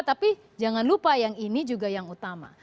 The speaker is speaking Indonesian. tapi jangan lupa yang ini juga yang utama